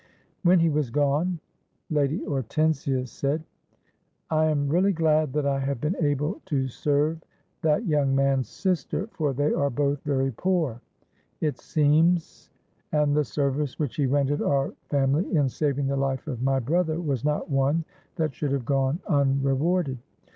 "When he was gone, Lady Hortensia said, 'I am really glad that I have been able to serve that young man's sister, for they are both very poor, it seems and the service which he rendered our family in saving the life of my brother was not one that should have gone unrewarded.'